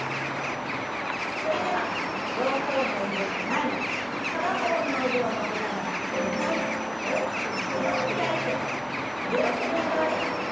それでは両方の腕を前に片方の腕を曲げながら２回大きく胸を開いて腕を振る運動です。